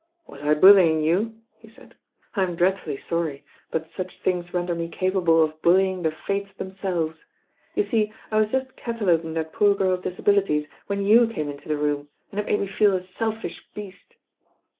"Was I bullying you?" he said. "I'm dreadfully sorry; but such things render me capable of bullying the Fates themselves. You see I was just catalogu ing that poor girl's disabilities when you came mto the room, and it made me feel a selfish beast."